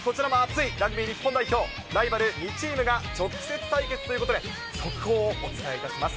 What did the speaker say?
こちらも熱い、ラグビー日本代表、ライバル２チームが直接対決ということで、速報をお伝えいたします。